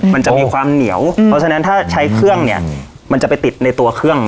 มันจะมีความเหนียวเพราะฉะนั้นถ้าใช้เครื่องเนี่ยมันจะไปติดในตัวเครื่อง